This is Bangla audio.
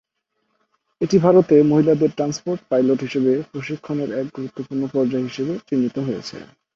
এটি ভারতে মহিলাদের ট্রান্সপোর্ট পাইলট হিসাবে প্রশিক্ষণের এক গুরুত্বপূর্ণ পর্যায় হিসেবে চিহ্নিত হয়েছে।